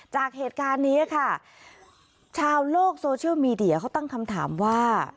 จากเหตุการณ์นี้ค่ะชาวโลกโซเชียลมีเดียเขาตั้งคำถามว่า